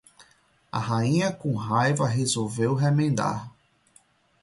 a rainha com raiva resolveu remendar